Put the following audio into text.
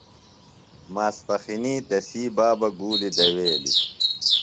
ماسپخِنی تسی بابہ گُولیۡ دویلیۡ۔